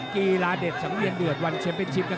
กีฬาเด็ดสังเวียนเดือดวันแชมเป็นชิป